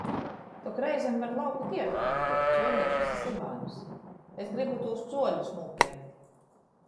Tok reizem var lauku tiergā nūpierkt cuoleišus i syvānus. Es gribu tūs cuoļus nūpierkt!